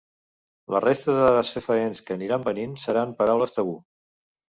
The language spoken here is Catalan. La resta de dades fefaents que aniran venint seran paraules tabú.